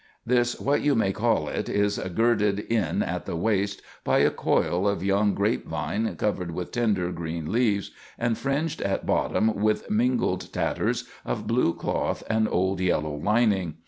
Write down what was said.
This what you may call it is girded in at the waist by a coil of young grape vine covered with tender green leaves, and fringed at bottom with mingled tatters of blue cloth and old yellow lining.